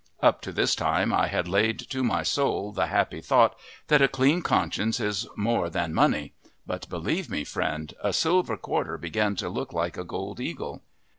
Up to this time I had laid to my soul the happy thought that a clean conscience is more than money; but believe me, friend, a silver quarter began to look like a gold eagle.